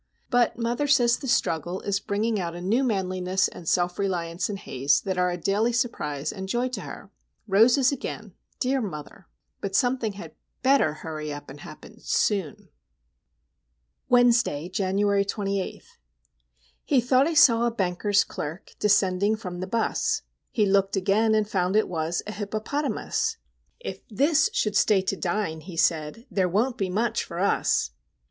But mother says the struggle is bringing out a new manliness and self reliance in Haze that are a daily surprise and joy to her. Roses again,—dear mother! But something had better hurry up and happen soon! Wednesday, January 28. He thought he saw a Banker's Clerk Descending from the 'bus; He looked again, and found it was A Hippopotamus. "If this should stay to dine," he said, "There won't be much for us!"